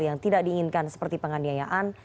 yang tidak diinginkan seperti penganiayaan